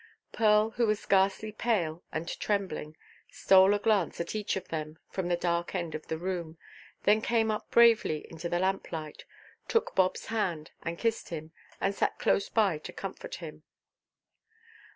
Pearl, who was ghastly pale and trembling, stole a glance at each of them from the dark end of the room, then came up bravely into the lamplight, took Bobʼs hand and kissed him, and sat close by to comfort him.